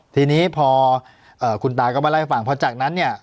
ทีนี้พอเอ่อคุณตาก็มาไล่ฝั่งพอจากนั้นเนี่ย